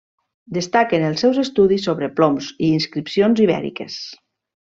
Destaquen els seus estudis sobre ploms i inscripcions ibèriques.